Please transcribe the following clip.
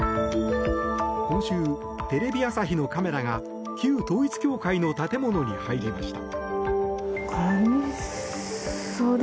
今週、テレビ朝日のカメラが旧統一教会の建物に入りました。